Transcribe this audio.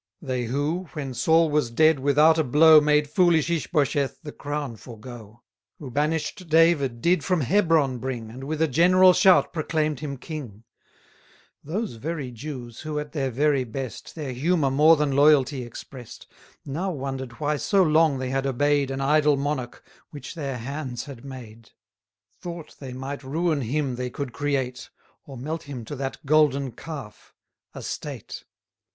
They who, when Saul was dead, without a blow, Made foolish Ishbosheth the crown forego; Who banish'd David did from Hebron bring, And with a general shout proclaim'd him king: 60 Those very Jews, who, at their very best, Their humour more than loyalty express'd, Now wonder'd why so long they had obey'd An idol monarch, which their hands had made; Thought they might ruin him they could create, Or melt him to that golden calf a state.